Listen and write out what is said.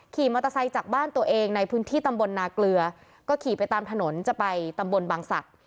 ขี่มอเตอร์ไซค์จากบ้านตัวเองในพื้นที่ตำบลนาเกลือก็ขี่ไปตามถนนจะไปตำบลบางศักดิ์